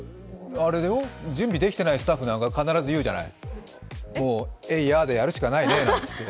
準備できてないスタッフなんか、必ず言うじゃない、えいやでやるしかないねと。